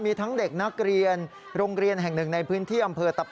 มีทั้งเด็กนักเรียนโรงเรียนแห่งหนึ่งในพื้นที่อำเภอตะป